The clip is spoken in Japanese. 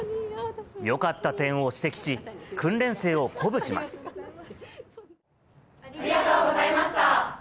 よかった点を指摘し、訓練生ありがとうございました。